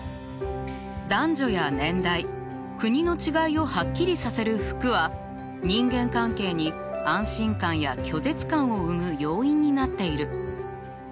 男女や年代国の違いをはっきりさせる服は人間関係に安心感や拒絶感を生む要因になっている。